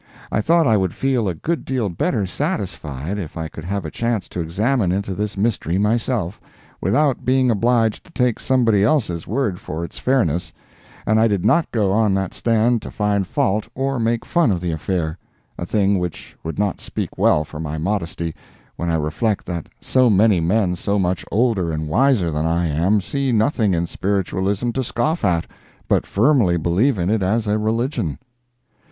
I thought I would feel a good deal better satisfied if I could have a chance to examine into this mystery myself, without being obliged to take somebody else's word for its fairness, and I did not go on that stand to find fault or make fun of the affair—a thing which would not speak well for my modesty when I reflect that so many men so much older and wiser than I am see nothing in Spiritualism to scoff at, but firmly believe in it as a religion.